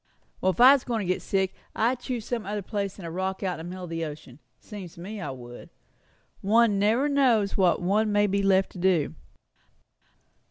"Well, if I was going to get sick, I'd choose some other place than a rock out in the middle of the ocean. Seems to me I would. One never knows what one may be left to do."